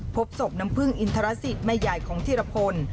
พบศพน้ำพึ่งอินทรสิตแม่ยายของธีรพล